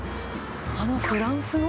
あのフランスの？